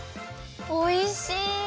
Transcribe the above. おいしい！